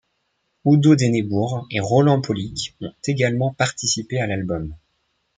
Udo Dennenbourg et Roland Paulick ont également participé à l'album.